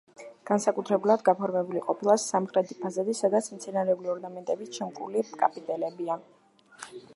განსაკუთრებულად გაფორმებული ყოფილა სამხრეთი ფასადი, სადაც მცენარეული ორნამენტებით შემკული კაპიტელებია.